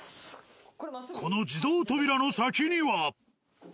この自動扉の先には。